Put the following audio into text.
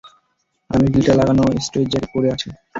আমি গ্লিটার লাগানো স্ট্রেইটজ্যাকেট পরে আছি।